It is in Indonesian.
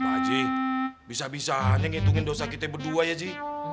pak haji bisa bisanya ngitungin dosa kita berdua ya ji